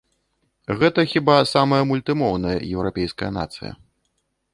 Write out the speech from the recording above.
Гэта хіба самая мультымоўная еўрапейская нацыя.